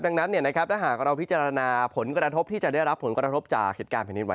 ดังนั้นถ้าหากเราพิจารณาผลกระทบที่จะได้รับผลกระทบจากเหตุการณ์แผ่นดินไหว